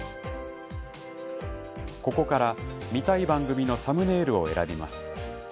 ここから、見たい番組のサムネイルを選びます。